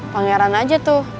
pangeran aja tuh